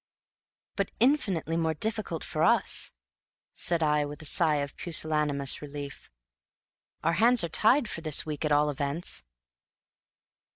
"But infinitely more difficult for us," said I, with a sigh of pusillanimous relief. "Our hands are tied for this week, at all events."